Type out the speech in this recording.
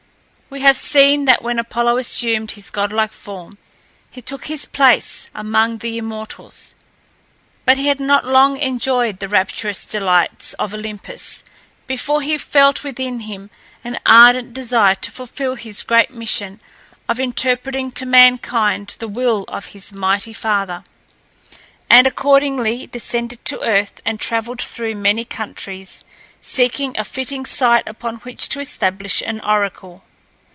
We have seen that when Apollo assumed his god like form, he took his place among the immortals; but he had not long enjoyed the rapturous delights of Olympus, before he felt within him an ardent desire to fulfil his great mission of interpreting to mankind the will of his mighty father. He accordingly descended to earth, and travelled through many countries, seeking a fitting site upon which to establish an oracle.